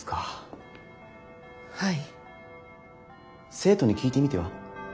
生徒に聞いてみては？